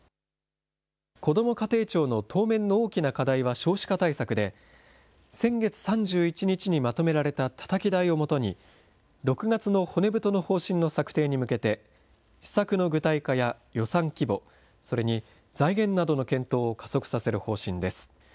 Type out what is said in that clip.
こども家庭庁の当面の大きな課題は少子化対策で、先月３１日にまとめられたたたき台をもとに、６月の骨太の方針の策定に向けて、施策の具体化や予算規模、それに財源などの検討を加速させる方針です。